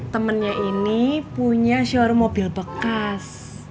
temennya ini punya showroom mobil bekas